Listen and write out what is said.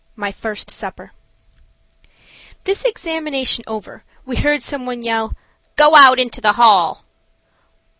MY FIRST SUPPER. THIS examination over, we heard some one yell, "Go out into the hall."